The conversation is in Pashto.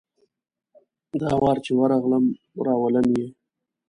دا وار چي ورغلم ، راولم یې .